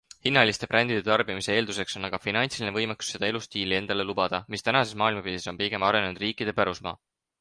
Hinnaliste brändide tarbimise eelduseks on aga finantsiline võimekus seda elustiili endale lubada, mis tänases maailmapildis on pigem arenenud riikide pärusmaa.